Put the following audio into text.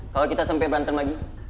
kalo kita sampe berantem lagi